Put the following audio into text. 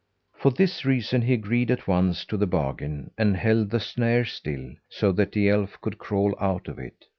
For this reason he agreed at once to the bargain, and held the snare still, so the elf could crawl out of it.